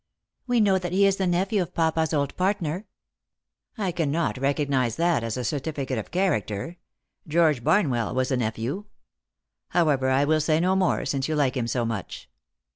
" We know that he is the nephew of papa's old partner." 43 " I cannot recognise that as a certificate of character. George Barnwell was a nephew. However, I will say no more, since you like him so much."